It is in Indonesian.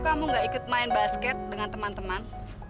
kamu gak ikut main basket dengan teman teman